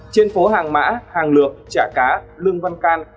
trên phố hàng mã hàng lược chả cá lương văn can